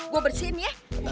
gue bersihin ya